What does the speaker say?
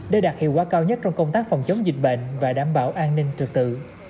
để đạt hiệu quả cao nhất trong công tác phòng chống dịch bệnh và đảm bảo an ninh trật tự